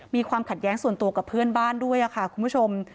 มีความขัดแย้งส่วนตัวกับเพื่อนบ้านด้วยค่ะคุณผู้ชม